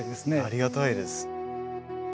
ありがたいです。